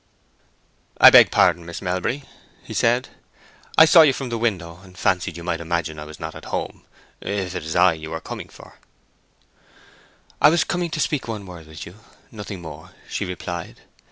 "I beg pardon, Miss Melbury," he said. "I saw you from the window, and fancied you might imagine that I was not at home—if it is I you were coming for." "I was coming to speak one word to you, nothing more," she replied.